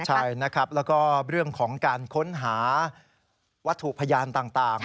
ใช่นะครับแล้วก็เรื่องของการค้นหาวัตถุพยานต่าง